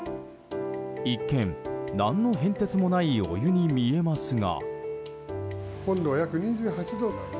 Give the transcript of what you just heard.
一見、何の変哲もないお湯に見えますが。